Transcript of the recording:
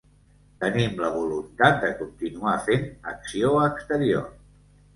Tenim la voluntat de continuar fent acció exterior.